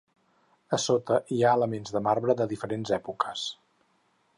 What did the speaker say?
A sota hi ha elements de marbre de diferents èpoques.